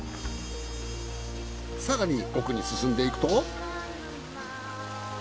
更に奥に進んでいくと。